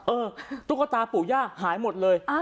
ตุ๊กตาปู่ย่าหายหมดเลย